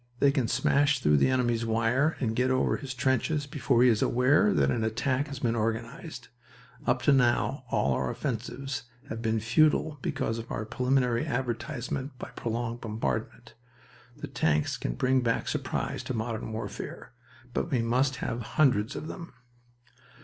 They can smash through the enemy's wire and get over his trenches before he is aware that an attack has been organized. Up to now all our offensives have been futile because of our preliminary advertisement by prolonged bombardment. The tanks can bring back surprise to modern warfare, but we must have hundreds of them."